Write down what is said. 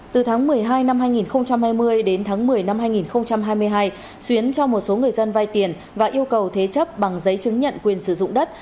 từ tháng một mươi hai năm hai nghìn hai mươi đến tháng một mươi năm hai nghìn hai mươi hai xuyến cho một số người dân vay tiền và yêu cầu thế chấp bằng giấy chứng nhận quyền sử dụng đất